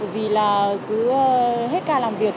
vì là cứ hết ca làm việc